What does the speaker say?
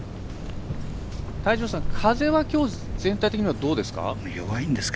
泰二郎さん、風はきょう全体的にはどうですか。